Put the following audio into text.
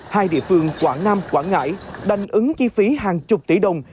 hai địa phương quảng nam quảng ngãi đành ứng chi phí hàng chục tỷ đồng